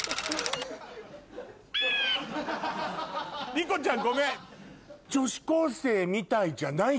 莉子ちゃんごめん。